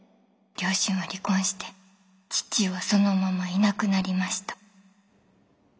両親は離婚して父はそのままいなくなりました。